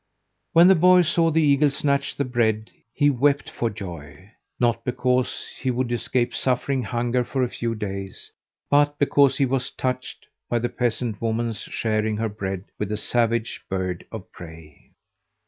When the boy saw the eagle snatch the bread he wept for joy not because he would escape suffering hunger for a few days, but because he was touched by the peasant woman's sharing her bread with a savage bird of prey.